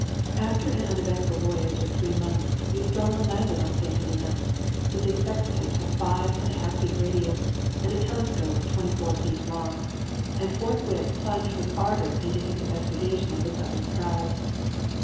[PLATE: HALLEY.] After an uneventful voyage of three months, the astronomer landed on St. Helena, with his sextant of five and a half feet radius, and a telescope 24 feet long, and forthwith plunged with ardour into his investigation of the southern skies.